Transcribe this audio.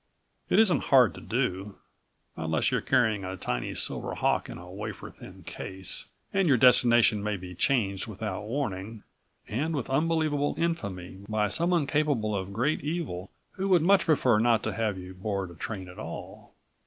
It isn't hard to do, unless you're carrying a tiny silver hawk in a wafer thin case, and your destination may be changed without warning and with unbelievable infamy by someone capable of great evil who would much prefer not to have you board a train at all.